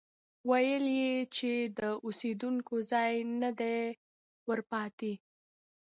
ويل يې چې د اوسېدو ځای نه دی ورپاتې،